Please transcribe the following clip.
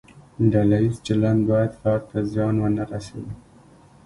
ډله ییز چلند باید فرد ته زیان ونه رسوي.